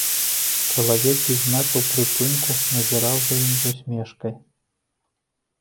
Чалавек без знакаў прыпынку назіраў за ім з усмешкай.